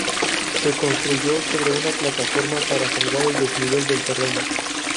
Se construyó sobre una plataforma para salvar el desnivel del terreno.